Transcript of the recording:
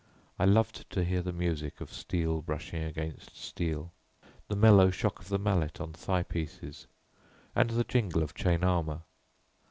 I loved to hear the music of steel brushing against steel, the mellow shock of the mallet on thigh pieces, and the jingle of chain armour.